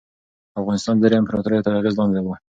افغانستان د دریو امپراطوریو تر اغېز لاندې و.